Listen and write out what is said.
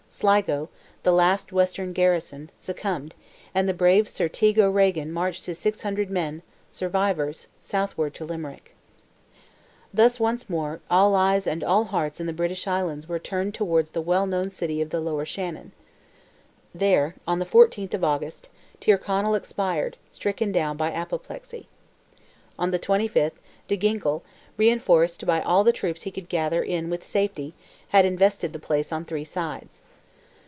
Sligo, the last western garrison, succumbed, and the brave Sir Teague O'Regan marched his 600 men, survivors, southward to Limerick. Thus once more all eyes and all hearts in the British Islands were turned towards the well known city of the lower Shannon. There, on the 14th of August, Tyrconnell expired, stricken down by apoplexy. On the 25th, De Ginkle, reinforced by all the troops he could gather in with safety, had invested the place on three sides.